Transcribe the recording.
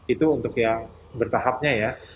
itu untuk yang bertahapnya ya